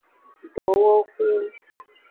Dowohu.